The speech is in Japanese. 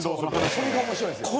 それが面白いんですよ。